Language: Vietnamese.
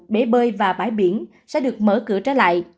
bể bơi và bãi biển sẽ được mở cửa trở lại